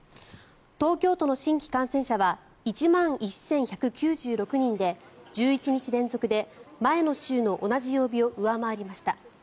東京都の新規感染者は１万１１９６人で１１日連続で前の週の同じ曜日を上回りました。